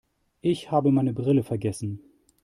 Ich habe meine Brille vergessen.